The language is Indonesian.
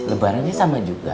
lembara ini sama juga